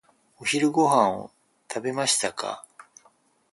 お昼ご飯を食べましたか？